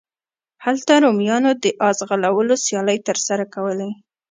هلته رومیانو د اس ځغلولو سیالۍ ترسره کولې.